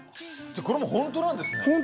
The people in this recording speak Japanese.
これも本当なんですね。